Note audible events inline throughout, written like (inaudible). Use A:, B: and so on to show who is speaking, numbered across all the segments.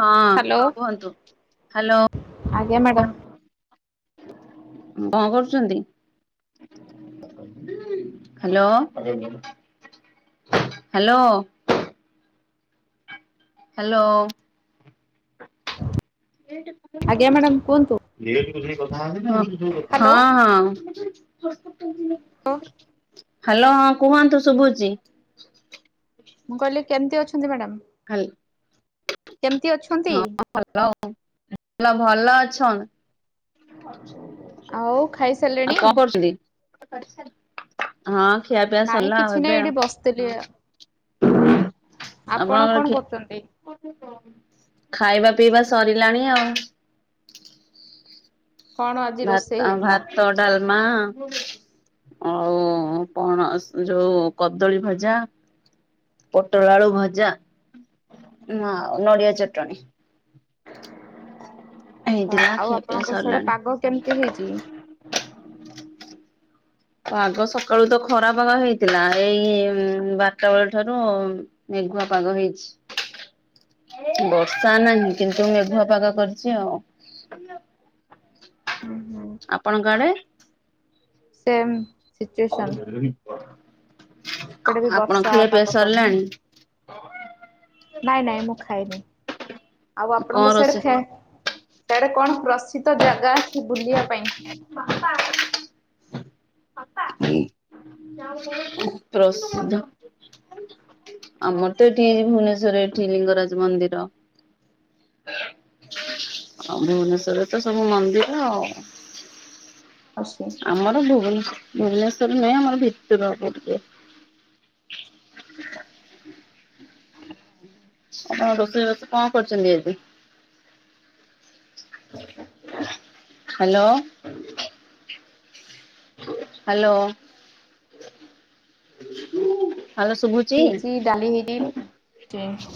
A: ହଁ
B: ହ୍ୟାଲୋ।
A: କୁହନ୍ତୁ ହାଲୋ?
B: ଆଜ୍ଞା ମ୍ୟାଡ଼ାମ
A: ଉଁ କଣ କରୁଚନ୍ତି? Hello hello. ହ୍ୟାଲୋ।
B: ଆଜ୍ଞା ମ୍ୟାଡ଼ାମ କୁହନ୍ତୁ।
A: ହଁ
B: ହ୍ୟାଲୋ
A: ହଁ। ହ୍ୟାଲୋ କୁହନ୍ତୁ ଶୁଭୁଚି।
B: ମୁଁ କହିଲି କେମିତି ଅଛନ୍ତି ମ୍ୟାଡ଼ାମ।
A: ହାଲ
B: କେମିତି ଅଛନ୍ତି?
A: ହଁ ଭଲ ଭଲ ଅଛନ୍।
B: ଆଉ ଖାଇସାରିଲେଣି?
A: କଣ କରୁଛନ୍ତି। ହଁ ଖିଆ ପିଆ
B: ନାଇଁ
A: ସରିଲା
B: କିଛି
A: ଆଉ
B: ନାଇଁ
A: ଏବେ।
B: ଏଇଠି ବସିଥିଲି। ଆପଣ
A: ଆପଣଙ୍କର
B: କଣ
A: ଖିଆ
B: କରୁଚନ୍ତି।
A: ଖାଇବା ପିଇବା ସରିଲାଣି ଆଉ।
B: କଣ ଆଜି ରୋଷେଇ
A: ଭାତ
B: ହେଇଥିଲା?
A: ଭାତ ଡାଲମା। ଆଉ ପଣସ ଯୋଉ କଦଳୀ ଭଜା। ପୋଟ ଆଳୁ ଭଜା ଆଉ ନଡିଆ ଚଟଣି।
B: ହଁ
A: ହେଇଥିଲା
B: ଆଉ
A: ଖିଆ ପିଆ
B: ଆପଣଙ୍କ ସିଆଡେ
A: ସରିଲାଣି।
B: ପାଗ କେମିତି ହେଇଛି।
A: ପାଗ ସକାଳୁ ତ ଖରାପାଗ ହେଇଥିଲା ଏଇ ବାରଟା ବେଳ ଠାରୁ ମେଘୁଆ ପାଗ ହେଇଛି। ବର୍ଷା ନାହିଁ କିନ୍ତୁ ମେଘୁଆ ପାଗ କରିଚି ଆଉ।
B: ହୁଁ ହୁଁ
A: ଆପଣଙ୍କ ଆଡେ।
B: ସେମ୍ ସିଚୁଏସନ୍ ଏପଟେ ବି
A: ଆପଣ
B: ବର୍ଷା
A: ଖିଆ ପିଆ
B: ପାଗ କରିଛି।
A: ସରିଲାଣି। ଅହ।
B: ନାଇଁ ନାଇଁ ମୁଁ ଖାଇନି ଆଉ
A: କଣ
B: ଆପଣଙ୍କ ସିଆଡେ
A: ରୋଷେଇ?
B: ଖେଁ ସିଆଡେ କଣ ପ୍ରସିଦ୍ଧ ଜାଗା ଅଛି ବୁଲିବା ପାଇଁ।
A: ବାପା। ପ୍ରସିଦ୍ଧ। ଆମର ତ ଏଠି ଭୁବନେଶ୍ୱରେ ଏଠି ଲିଙ୍ଗରାଜ ମନ୍ଦିର। ଆଉ ଭୁବନେଶ୍ବରେ ତ ସବୁ ମନ୍ଦିର ଆଉ।
B: ଅଛି
A: ଆମର ଭୁବନେ ଭୁବନେଶ୍ବର ନୁହେଁ ଆମର ଭିତରକୁ ଟିକେ। ଆପଣ ରୋଷେଇ ବାଷ କଣ କରିଚନ୍ତି ଆଜି। ହ୍ୟାଲୋ। ହ୍ୟାଲୋ ହ୍ୟାଲୋ ସୁଭୁଚି।
B: ହେଇଛି ଡାଲି ହେଇଛି
A: ଚି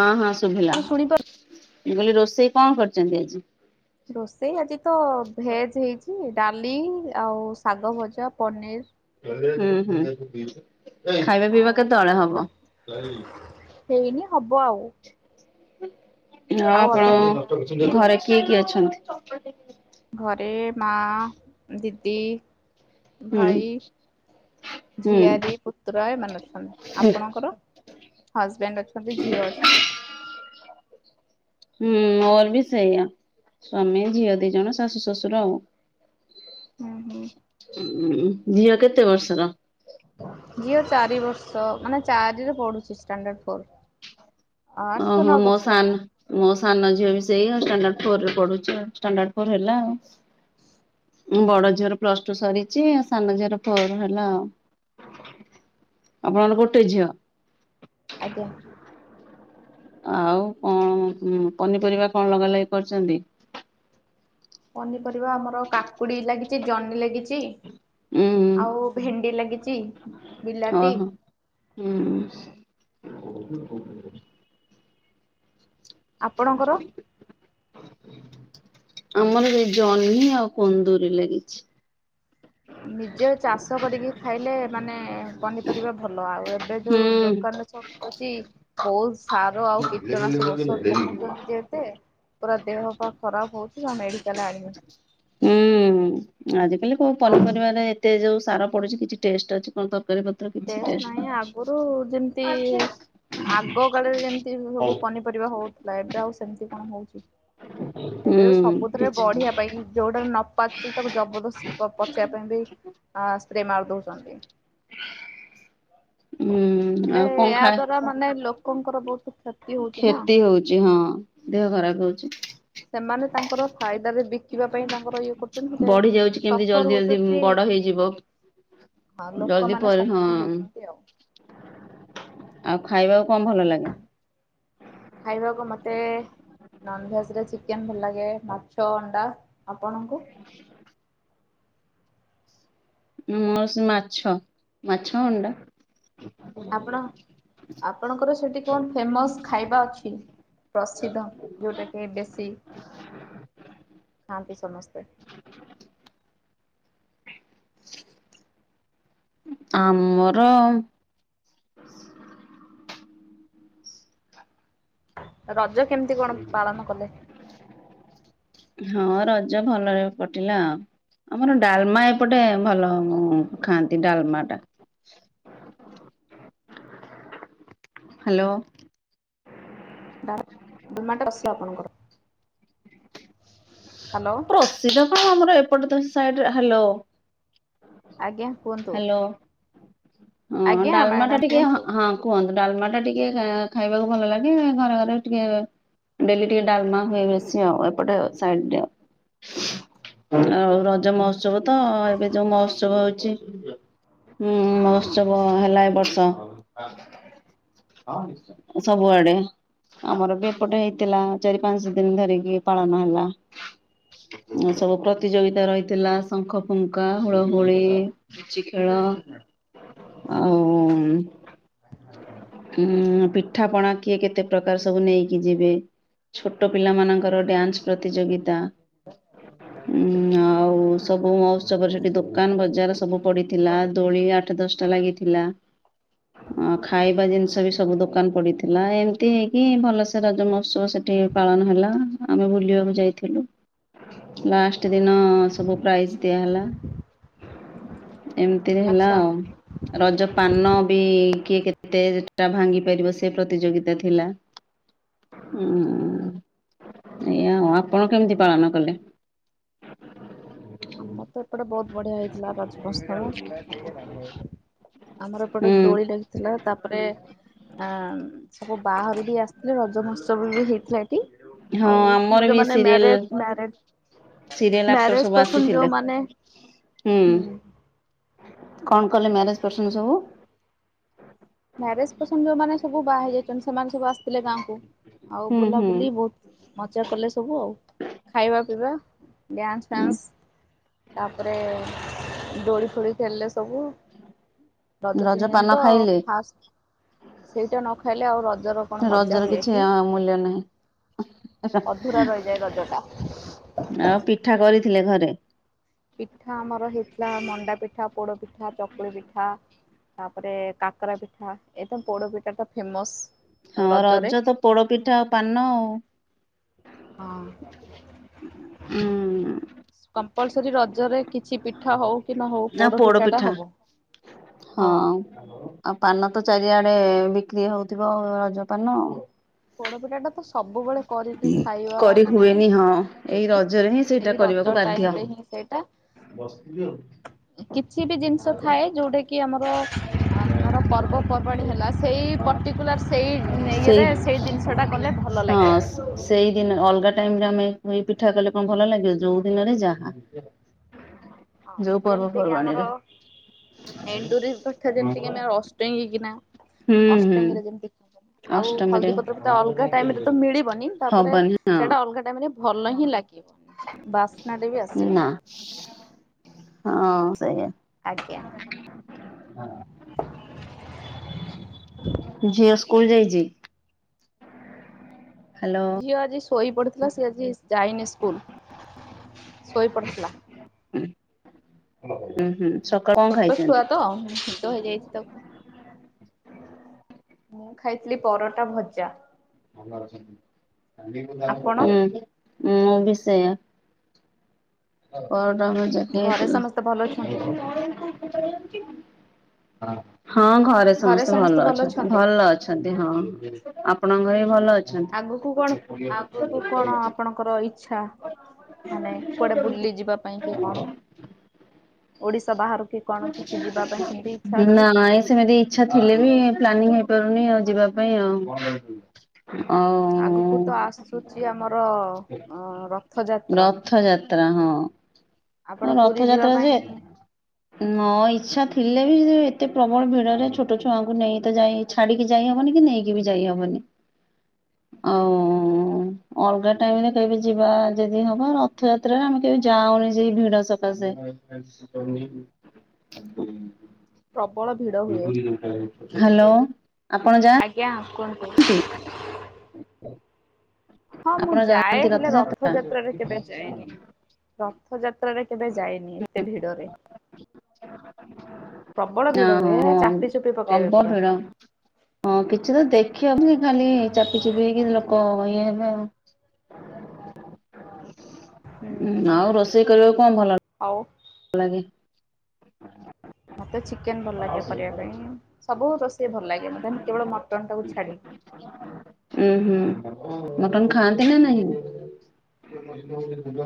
A: ହଁ ହଁ ଶୁଭିଲା।
B: ଶୁଣିପାରୁ
A: ମୁ କହିଲି ରୋଷେଇ କଣ କରିଚନ୍ତି ଆଜି।
B: ରୋଷେଇ ଆଜି ତ ଭେଜ୍‌ ହେଇଛି ଡାଲି ଆଉ ଶାଗ ଭଜା ପନିର୍।
A: ହୁଁ ହୁଁ ଖାଇବା ପିଇବା
B: ଆଉ
A: କେତେ ବେଳେ ହବ।
B: ଚଟ- ହେଇନି ହବ ଆଉ।
A: ଆଉ
B: ଅଧଘଣ୍ଟା
A: ଆପଣ
B: ପରେ
A: ଘରେ କିଏ କିଏ ଅଛନ୍ତି।
B: ଘରେ ମା ଦିଦି।
A: ହୁଁ। ହୁଁ
B: ଝିଆରି ପୁତୁରା ଏମାନେ ଅଛନ୍ତି
A: ହୁଁ
B: ଆପଣଙ୍କର ହଜ୍‌ବ୍ୟାଣ୍ଡ ଅଛନ୍ତି ଝିଅ ଅଛି।
A: ହୁଁ ମୋର ବି ସେଇଆ ସ୍ଵାମୀ ଝିଅ ଦି ଜଣ ଶାଶୁ ଶଶୁର ଆଉ।
B: ହୁଁ ହୁଁ।
A: ଉଁ ଝିଅ କେତେ ବର୍ଷର।
B: ଝିଅ ଚାରି ବର୍ଷ ମାନେ ଚାରିରେ ପଡୁଛି ଷ୍ଟାଣ୍ଡାଡ଼ ଫୋର୍। ଆଠ
A: ଓହୋ
B: ନଅ
A: ମୋ
B: ବର୍ଷ
A: ସାନ
B: ହେଲା।
A: ମୋ ସାନ ଝିଅ ବି ସେଇଆ ଷ୍ଟାଣ୍ଡାଡ ଫୋରରେ ପଡୁଛି ଷ୍ଟାଣ୍ଡାଡ ଫୋର୍ ହେଲା ଆଉ। ବଡ ଝିଅର ପ୍ଲସଟୁ ସରିଛି ଆ ସାନ ଝିଅର ଫୋର ହେଲା ଆଉ। ଆପଣଙ୍କର ଗୋଟେ ଝିଅ।
B: ଆଜ୍ଞା।
A: ଆଉ କଣ ପନିପରିବା କଣ ଲଗାଲଗି କରିଛନ୍ତି?
B: ପନିପରିବା ଆମର କାକୁଡି ଲାଗିଚି ଜହ୍ନି ଲାଗିଚି।
A: ଉଁ ହୁଁ
B: ଆଉ ଭେଣ୍ଡି ଲାଗିଛି ବିଲାତି।
A: ହୁଁ-ଉଁ।
B: ଆପଣଙ୍କର?
A: ହ ଆମର ଏଇ ଜହ୍ନି ଆଉ କୁନ୍ଦୁରି ଲାଗିଛି।
B: ନିଜେ ଚାଷ କରିକି ଖାଇଲେ ମାନେ ପନିପରିବା ଭଲ ଆଉ ଏବେ
A: ହୁଁ
B: ଯୋଉ ଦୋକାନରେ ସବୁ ମିଳୁଛି ବହୁତ ସାର ଆଉ କୀଟନାଶକ ଔଷଧ ପକଉଛନ୍ତି। ଇଏ ତେ ପୁରା ଦେହପା ଖରାପ ହଉଛି ଆଉ ମେଡିକାଲ୍ ଆଣିବେ।
A: ହୁଁ-ଉଁ-ଉଁ ଆଜିକାଲି କୋଉ
B: ଆ
A: ପନିପରିବାରେ ଏତେ ଯୋଉ ସାର ପଡୁଛି କିଛି ଟେଷ୍ଟ ଅଛି? କୋଉ ତରକାରୀପତ୍ର କିଛି
B: ନାହିଁ
A: ଟେଷ୍ଟ
B: ଆଗରୁ ଯେମିତି
A: (inaudible)
B: ସେସବୁ ପନିପରିବା ହଉଥିଲା ଏବେ ଆଉ ସେମିତି କଣ ହଉଚି। ଏବେ ତ ସବୁଥିରେ ବଢିବା ପାଇଁ ଯୋଉଟାରେ ନ ପାଚୁଛି ତାକୁ ଜବରଦସ୍ତ ପ ପଚେଇବା ପାଇଁ ବି ଉଁ ସ୍ପ୍ରେ ମାରି ଦଉଛନ୍ତି।
A: ହୁଁ
B: ହେଲେ
A: ଆଉ କଣ
B: ଏହା
A: ଖା
B: ଦ୍ଵାରା ମାନେ ଲୋକଙ୍କର ବହୁତ କ୍ଷତ୍
A: କ୍ଷତି ହଉଛି ହଁ ଦେହ ଖରାପ ହଉଛି।
B: ସେମାନେ ତାଙ୍କର ଫାଇଦାରେ ବିକିବା ପାଇଁ ତାଙ୍କର ଇଏ କରୁଛନ୍ତି ଯେ ସଫର ହଉଛନ୍ତି
A: ଯିବ
B: ହଁ ଲୋକମାନେ ସଫର ହଉଛନ୍ତି ଆଉ।
A: ଆଉ ଖାଇବାକୁ କଣ ଭଲ ଲାଗେ?
B: ଖାଇବାକୁ ମୋତେ ନନଭେଜରେ ଚିକେନ। ଭଲ ଲାଗେ ମାଛ, ଅଣ୍ଡା, ଆପଣଙ୍କୁ?
A: ମୋର ସେ ମାଛ, ମାଛ ଅଣ୍ଡା।
B: ଆପଣ, ଆପଣଙ୍କର ସେଠି କଣ ଫେମସ୍ ଖାଇବା ଅଛି? ପ୍ରସିଦ୍ଧ ଯୋଉଟା କି ବେଶୀ, ଖାଆନ୍ତି ସମସ୍ତେ।
A: ଆମର
B: ରଜ କେମିତି କଣ ପାଳନ କଲେ?
A: ହଁ ରଜ ଭଲରେ କଟିଲା ଆଉ। ଆମର ଡାଲମା ଏପଟେ ଭଲ ଖାଆନ୍ତି, ଡାଲମାଟା। ହ୍ୟାଲୋ।
B: ଡା ଡାଲମାଟା (unintelligible) ଆପଣଙ୍କର। ହ୍ୟାଲୋ
A: ପ୍ରସିଦ୍ଧ କଣ ଆମର ଏପଟ ତ ସାଇଡରେ ହ୍ୟାଲୋ।
B: ଆଜ୍ଞା କୁଅନ୍ତୁ।
A: ହ୍ୟାଲୋ। ହଁ ଡାଲମାଟା
B: ମ୍ୟାଡ଼ାମ
A: ଟିକେ ହଁ,
B: କୁହନ୍ତୁ।
A: ହଁ କୁହନ୍ତୁ, ଡାଲମାଟା ଟିକେ ଖାଇବାକୁ ଭଲ ଲାଗେ ଘରେ ଘରେ ଟିକେ ଡେଲି ଟିକେ ଡାଲମା ହୁଏ ବେଶୀ ଆଉ ଏପଟେ ସାଇଡ଼ରେ ଆଉ। ଆଉ ରଜ ମହୋତ୍ସବ ତ ଏବେ ଯୋଉ ମହୋତ୍ସବ ହଉଛି। ହୁଁ, ମହୋତ୍ସବ ହେଲା ଏ ବର୍ଷ। ସବୁଆଡେ। ଆମର ବି ଏପଟେ ହେଇଥିଲା, ଚାରି ପାଞ୍ଚ ଦିନ ଧରିକି ପାଳନ ହେଲା। ସବୁ ପ୍ରତିଯୋଗିତା ରହିଥିଲା, ଶଙ୍ଖ ଫୁଙ୍କା, ହୁଳହୁଳି। ପୁଚି ଖେଳ ଆଉ ହୁଁ-ଉଁ-ଉଁ ପି ପିଠାପଣା କିଏ କେତେ ପ୍ରକାର ସବୁ ନେଇକି ଯିବେ, ଛୋଟ ପିଲାମାନଙ୍କର ଡ୍ୟାନ୍ସ ପ୍ର ପ୍ରତିଯୋଗିତା ଉଁ-ଉଁ ଆଉ ସବୁ ମହୋତ୍ସବରେ ସେଠି ଦୋକ୍ ଦୋକାନ ବଜାର ସବୁ ପଡିଥିଲା, ଦୋଳି ଆଠ ଦଶଟା ଲାଗିଥିଲା। ଅଁ ଖାଇବା ଜିନିଷ ବି ସବୁ ଦୋକାନ ପଡିଥିଲା, ଏମିତି ହେଇକି ଭଲସେ ରଜ ମହୋତ୍ସବ ସେଠି ପାଳନ ହେଲା ଆମେ ବୁଲିବାକୁ ଯାଇଥିଲୁ, ଲାଷ୍ଟ୍ ଦିନ ସବୁ ପ୍ରାଇଜ୍ ଦିଆ ହେଲା। ଏମିତିରେ ହେଲା
B: ଆଚ୍ଛା।
A: ଆଉ। ରଜ ପାନ ବି କିଏ କେତେ ଟା ଭାଙ୍ଗି ପାରିବ ସେ ପ୍ରତିଯୋଗିତା ଥିଲା। ହୁଁ ଏଇଆ ଆଉ ଆପ ଆପଣ କେମିତି ପାଳନ କଲେ?
B: ଆମ ତ ଏପଟେ ବହୁତ ବଢିଆ ହେଇଥିଲା ରଜମହୋତ୍ସବ ଆମର ପଟେ
A: ହୁଁ
B: ଦୋଳି ଲାଗି ଥିଲା ତାପରେ ଆ ସବୁ ବାହାରୁ ବି ଆସିଥିଲେ, ରଜ ମହୋତ୍ସବ ବି ହେଇଥିଲା
A: ହଁ ଆମର
B: ଆଉ ଯୋଉ
A: ବି
B: ମାନେ
A: serial
B: married
A: serial
B: married
A: actor
B: marriage
A: ସବୁ
B: କରିଛନ୍ତି
A: ଆସିଥିଲେ
B: ଯୋଉ ମାନେ ହୁଁ
A: କଣ କଲେ ମ୍ୟାରେଜ କରୁଛନ୍ତି ସବୁ
B: ମ୍ୟାରେଜ ପରସନ ଯୋଉମାନେ ସବୁ ବାହା ହେଇ ଯାଇଛନ୍ତି, ସେମାନେ ସବୁ ଆସିଥିଲେ ଗାଁ କୁ। ଆଉ
A: ହୁଁ ହୁଁ
B: ବୁଲାବୁଲି ବହୁତ ମଜା କଲେ ସବୁ ଆଉ ଖାଇବା ପିଇବା ଡ୍ୟାନ୍ସ ଫ୍ୟାନ୍ସ ତାପରେ ଦୋଳି ଫୋଳି ଖେଳିଲେ ସବୁ ରଜ ତିନି
A: ପାନ
B: ଦିନ ତ
A: ଖାଇଲେ?
B: ସେଇଟା ନ ଖାଇଲେ ଆଉ ରଜର କଣ ମଜା
A: ରଜର
B: ହୁଏ
A: କିଛି
B: କି?
A: ମୂଲ୍ୟ ନାହିଁ
B: ଅଧୁରା ରହିଯାଏ ରଜ ଟା
A: ଆଉ ପିଠା କରିଥିଲେ ଘରେ।
B: ପିଠା ଆମର ହେଇଥିଲା ମଣ୍ଡା ପିଠା ପୋଡ଼ ପିଠା ଚକୁଳି ପିଠା ତାପରେ କାକରା ପିଠା ଏଇତ ପୋଡ଼ପିଠା ଟା ଫେମସ
A: ହଁ
B: ରଜରେ।
A: ରଜ ତ ପୋଡ ପିଠା ଆଉ ପାନ ଆଉ ଉଁ
B: ହଁ କମ୍ପଲସରି ରଜରେ କିଛି ପିଠା ହଉ କି ନ ହଉ
A: ଆଉ
B: ପୋଡ ପିଠାଟା
A: ପିଠା।
B: ହବ।
A: ହଁ। ଆଉ ପାନ ତ ଚାରିଆଡେ ବିକ୍ରି ହଉଥିବ ରଜ ପାନ।
B: ପୋଡ ପିଠା ଟା ତ ସବୁବେଳେ କରିକି ଖାଇବା
A: କରି
B: ମାନେ
A: ହୁଏନି ହଁ ଏଇ
B: ହେଇନି
A: ରଜରେ ହିଁ ସେଇଟା
B: ସେଇ
A: କରିବାକୁ
B: ରଜ
A: ବାଧ୍ୟ।
B: ଟାଇମ ରେ ହିଁ ସେଇଟା କିଛି ଟି ଜିନିଷ ଥାଏ ଯୋଉଟା କି କି ଆମର ଆମର ଧର ପର୍ବପର୍ବାଣି ହେଲା ସେଇ ପର୍ଟିକୁଲାର ସେଇ ଇଏରେ ସେଇ ଜିନିଷଟା ଗଲେ ଭଲ ଲାଗେ।
A: ହଁ ସେଇଦିନ ଅଲଗା ଟାଇମ ରେ ଆମେ ଏ ପିଠା କଲେ କଣ ଭଲ ଲାଗିବ ଯୋଉ ଦିନରେ ଯାହା
B: ହଁ
A: ଯୋଉ
B: ଯେମିତି କିି
A: ପର୍ବପର୍ବାଣି
B: ଆମର
A: ରେ
B: ଏଣ୍ଡୁରି ଠା ଯେମିତି କି ଆମେ ଅଷ୍ଟଙ୍ଗୀ କିନା
A: ହୁଁ ହୁଁ
B: ଅଷ୍ଟଙ୍ଗୀରେ ଯେମତି କି ଆଉ
A: ଅଷ୍ଟମୀରେ
B: ହଳଦୀ ପତ୍ର ବି ତ ଅଲଗା ଟାଇମ ରେ ତ ମିଳିବନି ତାପରେ
A: ହବନି ହଁ।
B: ସେଇଟା ଅଲଗା ଟାଇମ ରେ ଭଲ ହିଁ ଲାଗିବନି ବାସ୍ନାଟେ ବି ଆସିବନି
A: ହ ହଁ ସେଇଆ।
B: ଆଜ୍ଞା।
A: ଝିଅ ସ୍କୁଲ ଯାଇଛି ହ୍ୟାଲୋ
B: ଝିଅ ଆଜି ଶୋଇ ପଡ଼ିଥିଲା ସିଏ ଆଜି ଯାଇନି ସ୍କୁଲ ଶୋଇ ପଡ଼ିଥିଲା।
A: ହୁଁ ହୁଁ ସକାଳୁ କଣ
B: ଛୋଟ ଛୁଆ
A: ଖାଇଛନ୍ତି?
B: ତ ନିଦ ହେଇଯାଇଛି ତାକୁ ମୁଁ ଖାଇଥିଲି ପରଟା ଭଜା।
A: ହୁଁ
B: ଆପଣ
A: ବି ସେଇୟା ପରଟା ଭଜା ଖିଆ
B: ଘରେ
A: ହେଇଥିଲା
B: ସମସ୍ତେ ଭଲ ଅଛନ୍ତି ତ?
A: ହଁ ଘରେ ସମସ୍ତେ ଭଲ ଅଛନ୍ତି ଭଲ ଅ ଅଛନ୍ତି ହଁ ଆପଣଙ୍କ ଘରେ ବି ଭଲ ଅଛି
B: ଆଗକୁ କଣ ଆଗକୁ କଣ ଆପଣଙ୍କର ଇଚ୍ଛା ମାନେ କୁଆଡେ ବୁଲି ଯିବା ପାଇଁ କି କଣ ଓଡିଶା ବାହାରରୁ କି କଣ କିଛି ଯିବା ପାଇଁ ସେମିତି ଇଚ୍ଛା ଅଛି?
A: ନା ଏ ସେମିତି ଇଛା ଥିଲେ ବି ପ୍ଲାନିଂ ହେଇପାରୁନି ଆଉ ଯିବା ପାଇଁ ଆଉ ଆଉ
B: ଆଗକୁ ତ ଆସୁଛି ଆମର ରଥଯାତ୍ରା
A: ରଥଯାତ୍ରା ହଁ
B: ଆପଣ
A: ହ
B: ପୁରୀ ଯିବା
A: ରଥଯାତ୍ରା
B: ପାଇଁ
A: ଯେ ହୁ ନ ଇଚ୍ଛା ଥିଲେ ବି ଏତେ ପ୍ରବଳ ଭିଡରେ ଛୋଟ ଛୁଆଙ୍କୁ ନେଇ ତ ଯାଇ ଛାଡିକି ଯାଇହବନି କି ନେଇକି ବି ଯାଇହବନି ଆଉ ଅଲଗା ଟାଇମରେ କେବେ ଯିବା ଯଦି ହବ ରଥଯାତ୍ରାରେ ଆମେ କେବେ ଯାଉନି ସେଇ ଭିଡ ସକାସେ
B: ପ୍ରବଳ ଭିଡ ହୁଏ।
A: ହ୍ୟାଲୋ ଆପଣ ଯାଆ ନ୍ତି
B: ଆଜ୍ଞା! କୁହନ୍ତୁ।
A: ନ୍ତି
B: ହଁ, ମୁଁ ଯାଏ ହେଲେ ରଥଯାତ୍ରାରେ କେବେ ଯାଏନି। ରଥଯାତ୍ରାରେ କେବେ ଯାଏନି ଏତେ ଭିଡରେ।
A: (inaudible)
B: ପ୍ରବଳ ଭିଡ ହୁଏ
A: ହଁ ହଁ
B: ଚାପି ଚୁପି ପକେଇବେ
A: ପ୍ରବଳ
B: ପୁରା।
A: ଭିଡ ହଁ, କିଛି ତ ଦେଖିହବନି ଖାଲି ଚାପି ଚୁପି ହେଇକି ଲୋକ ଇଏ ହେବେ ଆଉ ଉହୁଁ ଆଉ ରୋଷେଇ କରିବାକୁ କଣ ଭଲ?
B: ଆଉ
A: ଲାଗେ?
B: ମତେ ଚିକେନ ଭଲ ଲାଗେ କରିବା ପାଇଁ ସବୁ ରୋଷେଇ ଭଲ ଲାଗେ ମତେ କେବଳ ମଟନ୍ ଟାକୁ ଛାଡି
A: ଉଁ ହୁଁ ମଟନ ଖାଆନ୍ତି ନା ନାହିଁ? (unintelligible) ଯିବା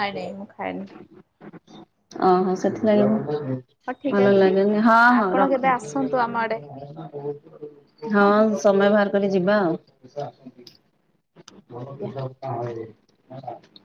B: ନାଇଁ ନାଇଁ ମୁଁ ଖାଏନି।
A: ଓହୋ! ସେଥି ଲାଗି
B: ହଁ, ଠିକ୍ ଅଛି।
A: ହଁ, ହଁ
B: ଆପଣ କେବେ
A: ରଖନ୍ତୁ।
B: ଆସନ୍ତୁ ଆମ ଆଡେ
A: ହଁ, ସମୟ ବାହାର କରି ଯିବା ଆଉ।
B: ଆଜ୍ଞା।
A: (unintelligible)